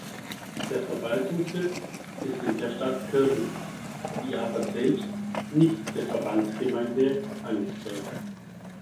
Der Verwaltungssitz ist in der Stadt Kirn, die aber selbst nicht der Verbandsgemeinde angehört.